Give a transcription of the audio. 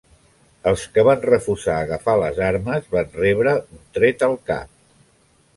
Els qui van refusar agafar les armes van rebre un tret al cap.